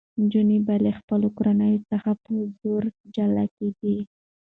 نجونې به له خپلو کورنیو څخه په زور جلا کېدې.